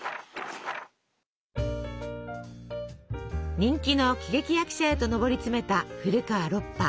人気の喜劇役者へとのぼり詰めた古川ロッパ。